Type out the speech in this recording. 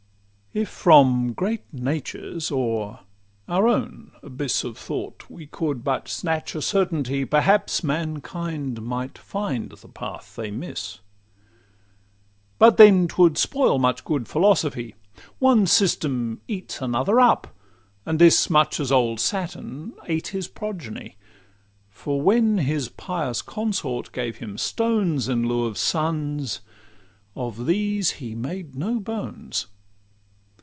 If from great nature's or our own abyss Of thought we could but snatch a certainty, Perhaps mankind might find the path they miss— But then 'twould spoil much good philosophy. One system eats another up, and this Much as old Saturn ate his progeny; For when his pious consort gave him stones In lieu of sons, of these he made no bones.